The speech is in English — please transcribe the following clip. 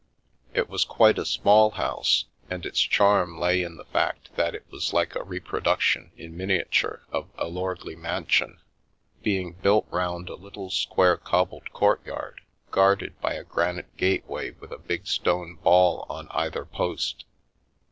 It was quite a small house, and its charm lay in the fact that it was like a reproduction in miniature of a lordly mansion, being built round a little square cob bled courtyard, guarded by a granite gateway with a big stone ball on either post.